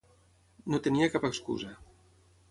No tenia cap excusa.